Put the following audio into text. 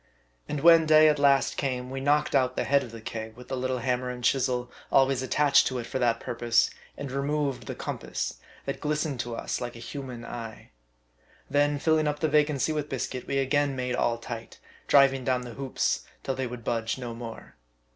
And when day at last came^ we knocked out the head of the keg with the little hammer and chisel, always attached to it for that purpose, and removed the compass, that glis tened to us like a human eye. Then filling up the vacancy with biscuit, we again made all tight, driving down the hoops till they would budge no more.